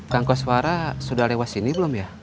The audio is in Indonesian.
kang koswara sudah lewat sini belum ya